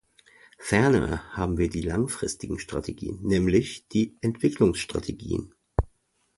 Ferner haben wir die langfristigen Strategien, nämlich die Entwicklungsstrategien.